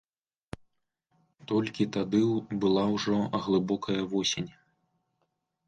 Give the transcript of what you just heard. Толькі тады была ўжо глыбокая восень.